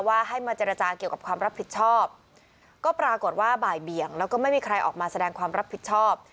ให้มาเจรจาเกี่ยวกับความรับผิดชอบก็ปรากฏว่าบ่ายเบี่ยงแล้วก็ไม่มีใครออกมาแสดงความรับผิดชอบ